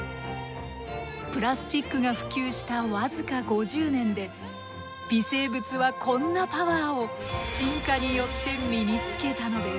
プラスチックが普及した僅か５０年で微生物はこんなパワーを進化によって身につけたのです。